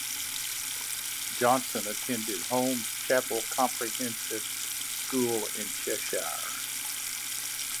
Johnson attended Holmes Chapel Comprehensive School in Cheshire.